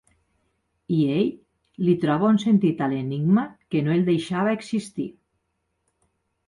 I ell li troba un sentit a l'enigma que no el deixava existir.